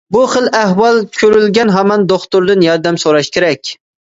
بۇ خىل ئەھۋال كۆرۈلگەن ھامان دوختۇردىن ياردەم سوراش كېرەك.